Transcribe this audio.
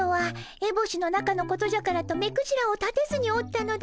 えぼしの中のことじゃからと目くじらを立てずにおったのだが。